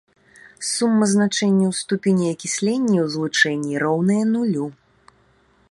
Сума значэнняў ступеней акіслення ў злучэнні роўная нулю.